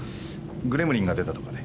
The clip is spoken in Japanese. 「グレムリンが出た」とかで。